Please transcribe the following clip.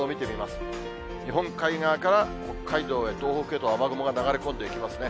日本海側から北海道や東北へと雨雲が流れ込んでいきますね。